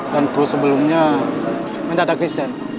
dan kru sebelumnya mendadak riset